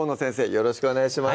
よろしくお願いします